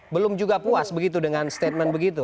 belum juga puas begitu dengan statement begitu